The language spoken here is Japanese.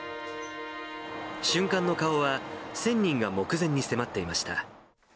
瞬間の顔は、１０００人が目前に迫っていました。